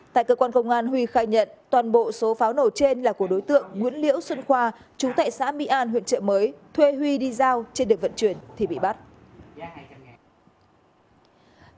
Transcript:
tại cơ quan công an huy khai nhận toàn bộ số pháo nổ trên là của đối tượng nguyễn liễu xuân khoa chú tại xã mỹ an huyện trợ mới thuê huy đi giao trên đường vận chuyển thì bị bắt